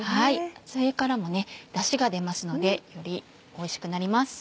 厚揚げからもだしが出ますのでよりおいしくなります。